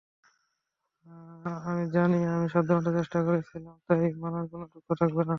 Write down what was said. আমি জানি আমি সাধ্যমতো চেষ্টা করেছিলাম, তাই আমার কোনো দুঃখ থাকবে না।